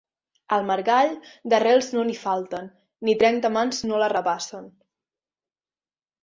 Al margall, d'arrels no n'hi falten; ni trenta mans no l'arrabassen.